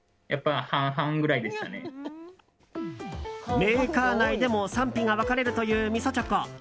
メーカー内でも賛否が分かれるというみそチョコ。